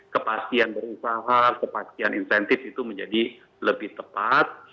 kepastian berusaha kepastian insentif itu menjadi lebih tepat